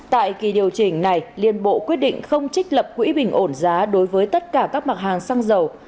tại kỳ điều chỉnh này liên bộ quyết định không trích lập quỹ bình ổn giá đối với tất cả các mặt hàng xăng dầu